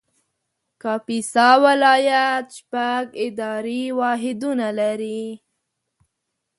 کاپیسا ولایت شپږ اداري واحدونه لري